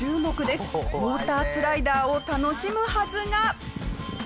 ウォータースライダーを楽しむはずが。